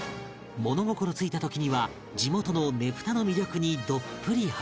物心ついた時には地元のねぷたの魅力にどっぷりハマり